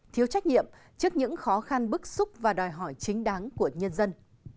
thiếu trách nhiệm trước những khó khăn bức xúc và đòi hỏi chính đáng của nhân dân